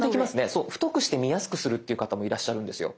そう太くして見やすくするっていう方もいらっしゃるんですよ。